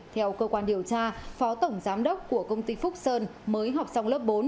theo cơ quan điều tra phó tổng giám đốc của công ty phúc sơn mới học xong lớp bốn